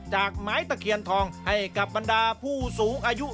จากไม้ตะเคียนทองให้กับบรรดาผู้สูงอายุ